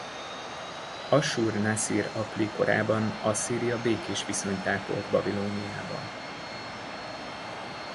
Assur-nászir-apli korában Asszíria békés viszonyt ápolt Babilóniával.